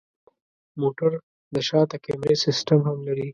موټر د شاته کمرې سیستم هم لري.